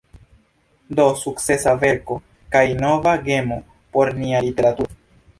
Do sukcesa verko, kaj nova gemo por nia literaturo.